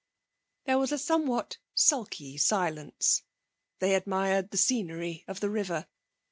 There was a somewhat sulky silence. They admired the scenery of the river.